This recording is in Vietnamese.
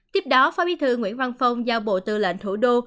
tiếp đó phó bí thư nguyễn văn phong giao bộ tư lệnh thủ đô